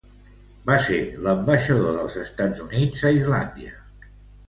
Va ser l'ambaixador dels Estats Units a Islàndia.